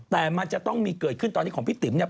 แต่มันจะต้องมีเกิดขึ้นตอนนี้ของพี่ติ๋มเนี่ย